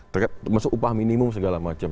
maksudnya upah minimum segala macam